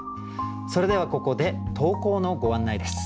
それではここで投稿のご案内です。